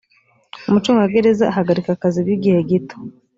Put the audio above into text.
umucungagereza ahagarika akazi by igihe gito